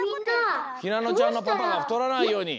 ひなのちゃんのパパが太らないように。